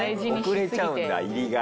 遅れちゃうんだ入りが。